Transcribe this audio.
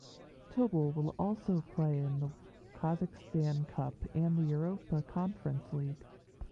Tobol will also play in the Kazakhstan Cup and the Europa Conference League.